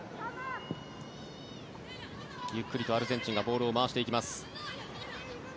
ゆっくりとアルゼンチンがボールを回していきます。